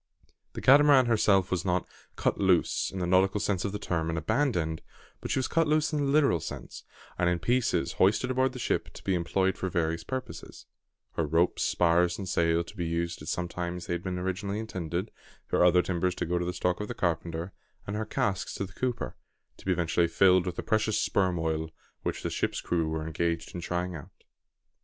The Catamaran herself was not "cut loose" in the nautical sense of the term, and abandoned, but she was cut loose in a literal sense, and in pieces hoisted aboard the ship to be employed for various purposes, her ropes, spars, and sail to be used at some time as they had been originally intended her other timbers to go to the stock of the carpenter, and her casks to the cooper, to be eventually filled with the precious sperm oil which the ship's crew were engaged in trying out.